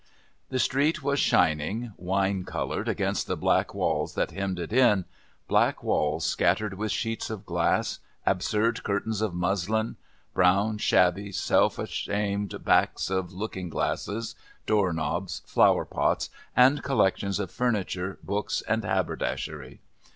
The street was shining, wine coloured, against the black walls that hemmed it in, black walls scattered with sheets of glass, absurd curtains of muslin, brown, shabby, self ashamed backs of looking glasses, door knobs, flower pots, and collections of furniture, books and haberdashery.